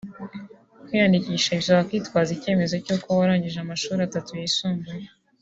Kwiyandikisha bisaba kwitwaza icyemezo cy’uko warangije amashuri atatu yisumbuye